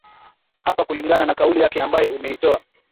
hapa kulingana na kauli yako ambayo umeitoa